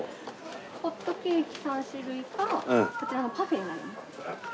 ホットケーキ３種類かこちらのパフェになりますね。